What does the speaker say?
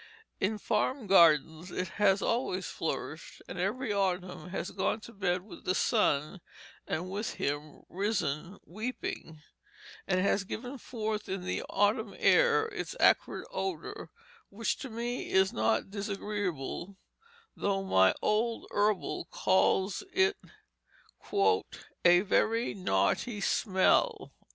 In farm gardens it has always flourished, and every autumn has "gone to bed with the sun and with him risen weeping," and has given forth in the autumn air its acrid odor, which to me is not disagreeable, though my old herbal calls its "a very naughty smell."